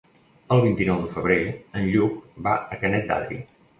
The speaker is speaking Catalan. El vint-i-nou de febrer en Lluc va a Canet d'Adri.